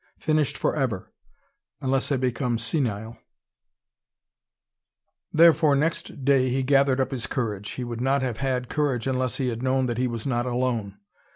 Finished for ever: unless I become senile " Therefore next day he gathered up his courage. He would not have had courage unless he had known that he was not alone.